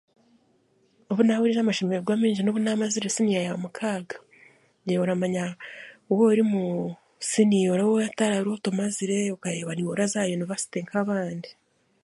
Obu naahurira amashemererwa maingi n'obu naamara siniya ya mukaaga naiwe oramanya waaba omazire siniya nooba ori aha root omazire araza aha yunivasite nk'abandi